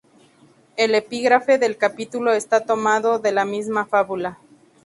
El epígrafe del capítulo está tomado de la misma fábula.